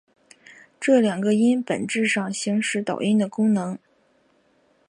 这两个音本质上行使导音的功能。